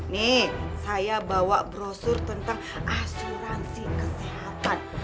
nih saya bawa brosur tentang asuransi kesehatan